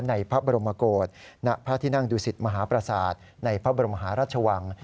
ในพระบรมโกศณพระที่นั่งดูสิตมหาประสาทในพระบรมหาราชวัง